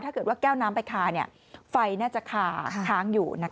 ถ้าเกิดว่าแก้วน้ำไปคาไฟน่าจะคาค้างอยู่